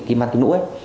kim văn kinh nũ